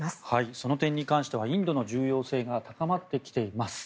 その点に関してはインドの重要性が高まってきています。